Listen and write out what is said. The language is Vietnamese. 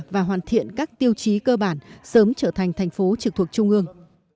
và hoàn thiện các tiêu chí cơ bản sớm trở thành thành phố trực thuộc trung ương